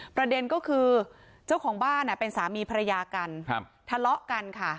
ประเด็นก็คือเจ้าของบ้านเป็นสามีภรรยากันทะเลาะกันค่ะ